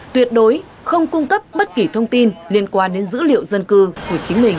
tuyệt đối không cung cấp bất kỳ thông tin liên quan đến dữ liệu dân cư của chính mình